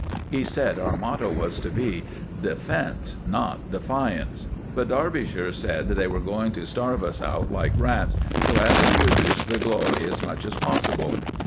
He said our motto was to be "Defence, not Defiance"; but Derbyshire said they were going to starve us out like rats, so as to reduce the glory as much as possible.